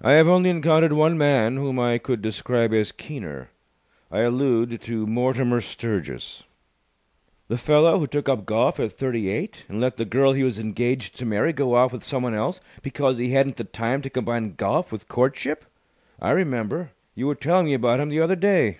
"I have only encountered one man whom I could describe as keener. I allude to Mortimer Sturgis." "The fellow who took up golf at thirty eight and let the girl he was engaged to marry go off with someone else because he hadn't the time to combine golf with courtship? I remember. You were telling me about him the other day."